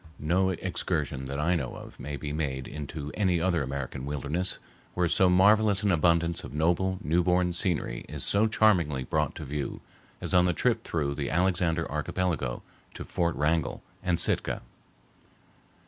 No excursion that I know of may be made into any other American wilderness where so marvelous an abundance of noble, newborn scenery is so charmingly brought to view as on the trip through the Alexander Archipelago to Fort Wrangell and Sitka.